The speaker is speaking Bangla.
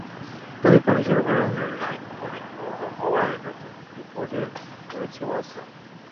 তবে পানি সরবরাহের লাইন অনেক পুরোনো হওয়ায় নতুন বিপদে পড়েছে ওয়াসা।